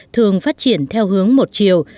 thường phát triển theo hướng một chiều